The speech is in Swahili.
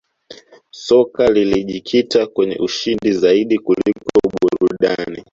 soka lilijikita kwenye ushindi zaidi kuliko burudani